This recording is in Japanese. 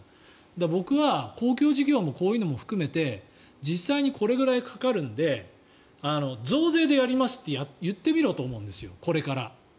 だから僕は公共事業もこういうのも含めて実際にこれぐらいかかるので増税でやりますと言ってみろと思うんです、これから。